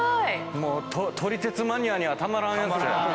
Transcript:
もう撮り鉄マニアにはたまらんやつちゃう。